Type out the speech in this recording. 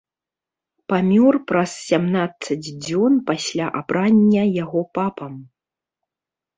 Памёр праз сямнаццаць дзён пасля абрання яго папам.